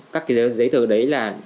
các cái giấy tờ đấy là